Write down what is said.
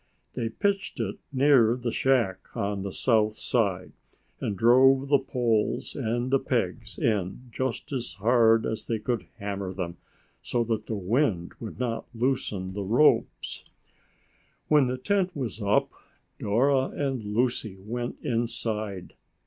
They pitched it near the shack, on the south side, and drove the poles and the pegs in just as hard as they could hammer them, so that the wind would not loosen the ropes. When the tent was up, Dora and Lucy went inside.